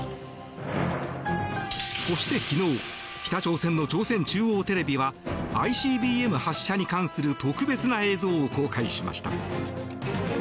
そして昨日北朝鮮の朝鮮中央テレビはＩＣＢＭ発射に関する特別な映像を公開しました。